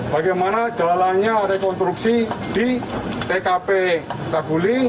bagaimana jalannya rekonstruksi di tkp saguling